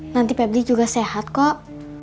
nanti pebdi juga sehat kok